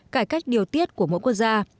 cải cách điều tiết của mỗi quốc gia